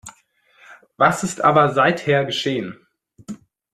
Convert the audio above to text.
Was ist aber seither geschehen?